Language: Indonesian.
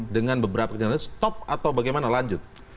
dengan beberapa kejadian stop atau bagaimana lanjut